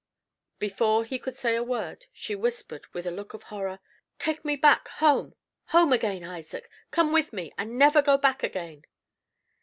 Before he could say a word, she whispered, with a look of horror: "Take me back home, home again, Isaac. Come with me, and never go back again."